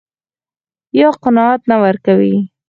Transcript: يا قناعت نه ورکوي.